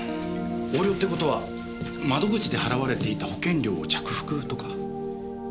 横領ってことは窓口で払われていた保険料を着服とか？